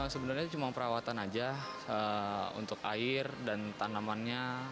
sebenarnya cuma perawatan aja untuk air dan tanamannya